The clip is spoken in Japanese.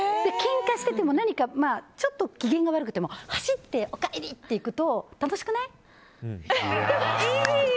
けんかしててもちょっと機嫌が悪くても走っておかえり！って行くと楽しくない？